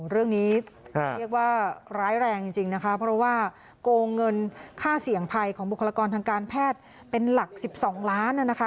เรื่องนี้เรียกว่าร้ายแรงจริงนะคะเพราะว่าโกงเงินค่าเสี่ยงภัยของบุคลากรทางการแพทย์เป็นหลัก๑๒ล้านนะคะ